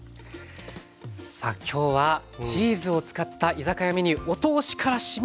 さあ今日はチーズを使った居酒屋メニューお通しから締めのご飯まで教えて頂きました。